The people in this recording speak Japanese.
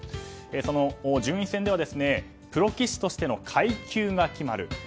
順位戦では、プロ棋士としての階級が決まる。